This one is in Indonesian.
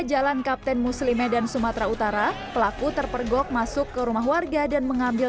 jalan kapten muslim medan sumatera utara pelaku terpergok masuk ke rumah warga dan mengambil